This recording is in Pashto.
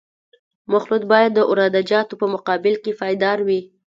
مخلوط باید د عراده جاتو په مقابل کې پایدار وي